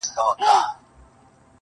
هغه به څرنګه بلا وویني.